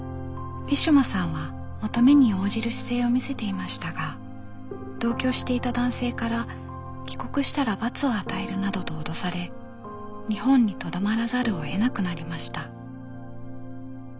ウィシュマさんは求めに応じる姿勢を見せていましたが同居していた男性から「帰国したら罰を与える」などと脅され日本にとどまらざるをえなくなりました。